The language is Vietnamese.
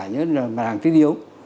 nhất là hàng tích yếu